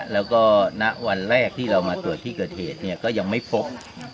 แล้วก็ณวันแรกที่เรามาตรวจที่เกิดเหตุก็ยังไม่พบ